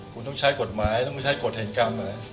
คุณต้องใช้กฎหมายต้องไปใช้กฎแห่งกรรม